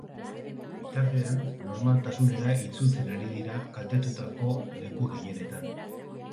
Bitartean, normaltasunera itzultzen ari dira kaltetutako leku gehienetan.